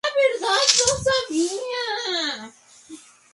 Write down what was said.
Pero eso es el genio de Sia.